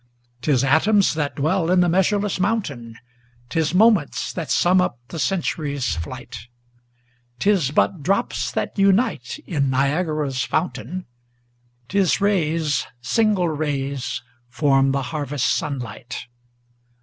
'Tis atoms that dwell in the measureless mountain, 'Tis moments that sum up the century's flight; 'Tis but drops that unite in Niagara's fountain, 'Tis rays, single rays, from the harvest sun light.